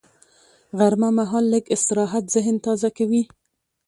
غرمه مهال لږ استراحت ذهن تازه کوي